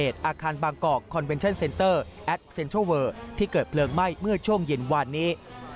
ที่เกิดเพลิงไหม้เมื่อช่วงเย็นวานนี้